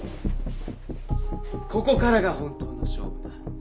ここからが本当の勝負だ。